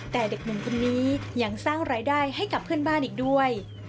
แต่เด็กหนุ่มคนนี้ยังสร้างรายได้ให้กับเพื่อนบ้านอีกด้วย